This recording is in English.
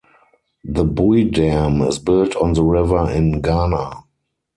The Bui Dam is built on the river in Ghana.